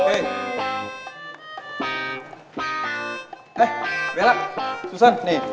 eh belak susan nih